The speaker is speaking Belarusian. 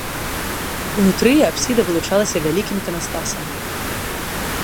Унутры апсіда вылучалася вялікім іканастасам.